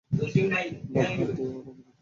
বাল, হাত দিয়ে ওটা ধরতেও পারছি না।